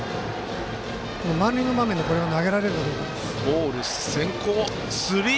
満塁の場面でこれを投げられるかどうかです。